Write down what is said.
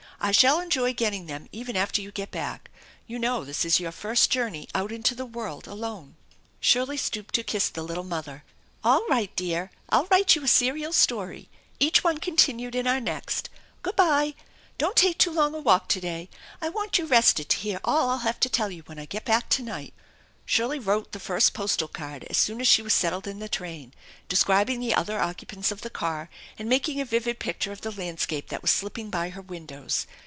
I shall enjoy getting them even after you get back. You know this is your first journey out into the world alone." Shirley stooped to kiss the little mother, 16 THE ENCHANTED BARN "All right, dear ! I'll write you a serial story. Each ona continued in our next. Good by! Don't take too long a walk to day. I want you rested to hear all I'll have to tell when I get back to night !" Shirley wrote the first postal card as soon as she was settled in the train, describing the other occupants of the car, and making a vivid picture of the landscape that was slipping by her windows.